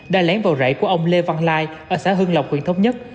đã lén vào rảy của ông lê văn lai ở xã hưng lộc huyền thống nhất